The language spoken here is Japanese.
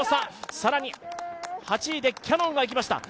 更に８位でキヤノンがいきました。